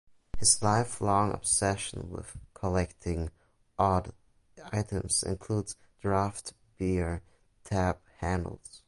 His lifelong obsession with collecting odd items includes draft beer tap handles.